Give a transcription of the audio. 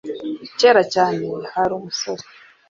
Kera cyane, hari umusore.